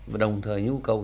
và đồng thời nhu cầu